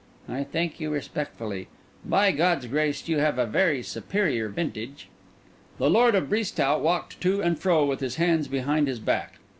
I thank you respectfully. By God's grace, you have a very superior vintage." The lord of Brisetout walked to and fro with his hands behind his back.